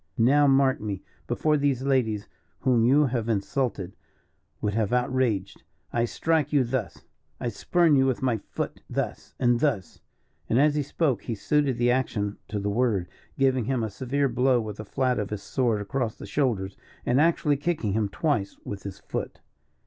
"Now mark me. Before these ladies whom you have insulted, would have outraged, I strike you thus. I spurn you with my foot thus and thus!" and as he spoke he suited the action to the word, giving him a severe blow with the flat of his sword across the shoulders, and actually kicking him twice with his foot.